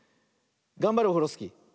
がんばれオフロスキー。